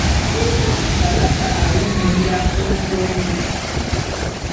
Kabaka awummulira ku Ntoowo.